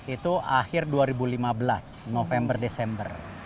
itu akhir dua ribu lima belas november desember